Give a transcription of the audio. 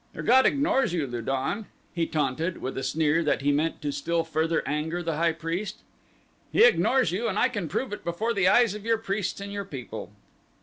"Your god ignores you Lu don," he taunted, with a sneer that he meant to still further anger the high priest, "he ignores you and I can prove it before the eyes of your priests and your people."